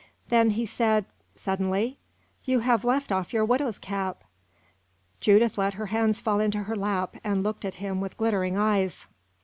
Then he said, suddenly, "You have left off your widow's cap." Judith let her hands fall into her lap, and looked at him with glittering eyes.